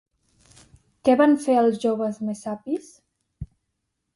Què van fer els joves messapis?